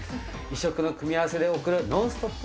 異色の組み合わせで送るノンストップ